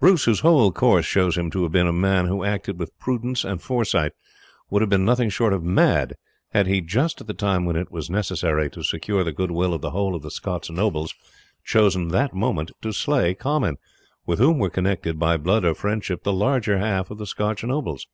Bruce, whose whole course shows him to have been a man who acted with prudence and foresight, would have been nothing short of mad had he, just at the time when it was necessary to secure the goodwill of the whole of the Scotch nobles, chosen that moment to slay Comyn, with whom were connected, by blood or friendship, the larger half of the Scotch nobles.